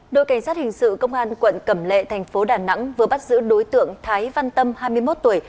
đội cảnh sát hình sự công an quận cẩm lệ thành phố đà nẵng vừa bắt giữ đối tượng thái văn tâm hai mươi một tuổi